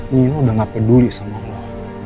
nino udah gak peduli sama allah